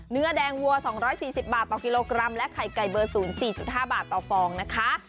เนื้อแดงวัว๒๔๐บาทต่อกิโลกรัมและไข่ไก่เบอร์๐๔๕บาทต่อฟองนะคะ